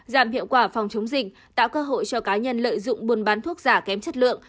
giảm hiệu quả phòng chống dịch tạo cơ hội cho cá nhân lợi dụng buôn bán thuốc giả kém chất lượng